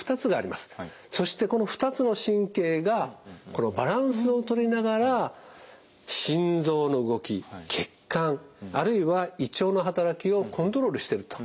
そしてこの２つの神経がバランスをとりながら心臓の動き血管あるいは胃腸の働きをコントロールしてるということが分かっています。